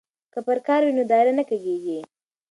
که پرکار وي نو دایره نه کږیږي.